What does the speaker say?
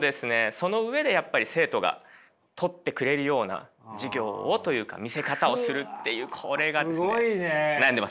その上でやっぱり生徒がとってくれるような授業をというか見せ方をするというこれがですね悩んでます。